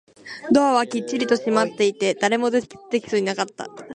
ドアはきっちりと閉まっていて、誰も出てきそうもなかった